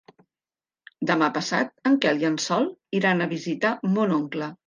Demà passat en Quel i en Sol iran a visitar mon oncle.